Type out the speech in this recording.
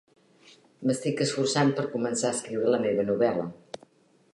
M'estic esforçant per començar a escriure la meva novel·la.